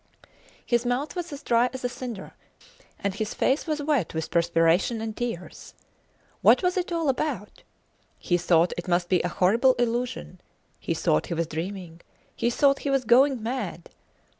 His mouth was as dry as a cinder, and his face was wet with perspiration and tears. What was it all about? He thought it must be a horrible illusion; he thought he was dreaming; he thought he was going mad!